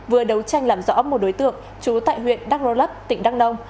vừa đấu tranh làm rõ một đối tượng chú tại huyện đắk rô lắk tỉnh đắk nông